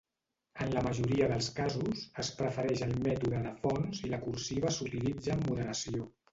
En la majoria dels casos, es prefereix el mètode de fons i la cursiva s'utilitza amb moderació.